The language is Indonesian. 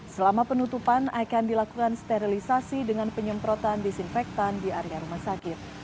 selama penutupan akan dilakukan sterilisasi dengan penyemprotan disinfektan di area rumah sakit